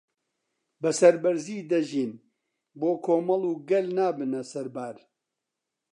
بەسەربەرزی دەژین بۆ کۆمەڵ و گەل نابنە سەربار